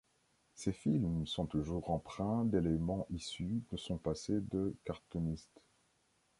Ses films sont toujours empreints d'éléments issus de son passé de cartoonist.